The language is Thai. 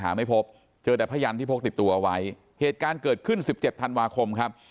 ไม่พบเจอแต่พยันที่พกติดตัวเอาไว้เหตุการณ์เกิดขึ้นสิบเจ็ดธันวาคมครับ